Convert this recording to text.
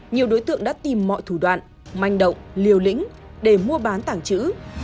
nhiều đối tượng đã tìm mọi thủ đoạn manh động liều lĩnh để mua bán tảng chữ